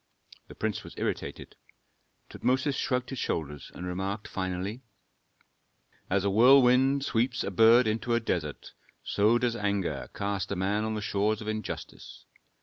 The prince was irritated. Tutmosis shrugged his shoulders, and remarked finally, "As a whirlwind sweeps a bird into a desert, so does anger cast a man on the shores of injustice.